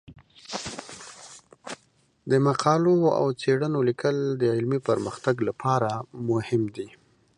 د مقالو او څیړنو لیکل د علمي پرمختګ لپاره مهم دي.